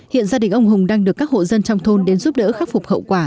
hiện gia đình ông hùng đang được các hộ dân trong thôn đến giúp đỡ khắc phục hậu quả